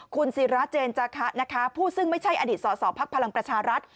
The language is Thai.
คุณศิราเจนจาคะนะคะผู้ซึ่งไม่ใช่อดีตสอสอภักดิ์พลังประชารัฐ